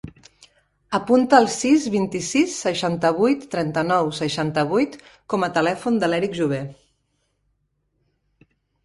Apunta el sis, vint-i-sis, seixanta-vuit, trenta-nou, seixanta-vuit com a telèfon de l'Erik Jover.